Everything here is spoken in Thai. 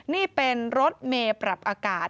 นี่เป็นรถเมย์ปรับอากาศ